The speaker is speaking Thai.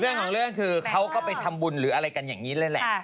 เรื่องของเรื่องคือเขาก็ไปทำบุญหรืออะไรกันอย่างนี้เลยแหละ